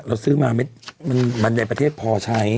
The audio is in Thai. เราซื้อมาบันไดประเทศพอใช้